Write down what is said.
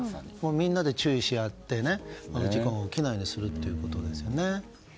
みんなで注意し合って事故が起きないようにするということですね。